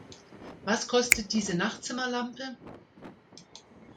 Was kostet diese Nachtzimmerlampe?